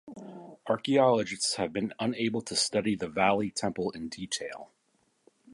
Archeologists have been unable to study the Valley Temple in detail.